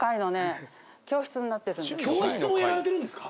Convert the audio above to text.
教室もやられてるんですか？